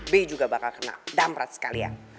b juga bakal kena damret sekali ya